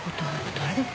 誰だっけ？